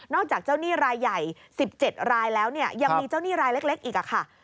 จากเจ้าหนี้รายใหญ่๑๗รายแล้วเนี่ยยังมีเจ้าหนี้รายเล็กอีกค่ะ